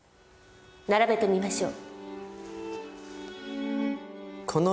並べてみましょう。